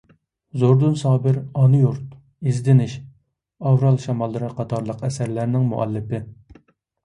زوردۇن سابىر «ئانا يۇرت»، «ئىزدىنىش»، «ئاۋرال شاماللىرى» قاتارلىق ئەسەرلەرنىڭ مۇئەللىپى.